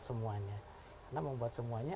semuanya karena membuat semuanya